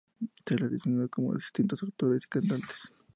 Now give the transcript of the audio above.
Se la ha relacionado con distintos actores y cantantes.